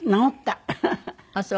あっそう。